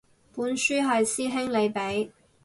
本書係師兄你畀